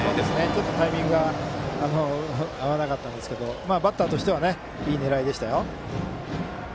タイミングが合わなかったんですがバッターとしてはいい狙いでした。